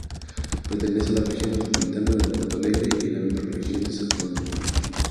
Pertenece a la región metropolitana de Porto Alegre y la microrregión de San Jerónimo.